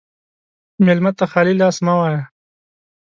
مېلمه ته خالي لاس مه وایه.